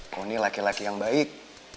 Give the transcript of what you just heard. kau ini laki laki yang baik